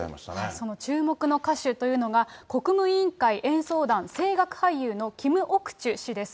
その注目の歌手というのが、国務委員会演奏団声楽俳優のキム・オクチュ氏です。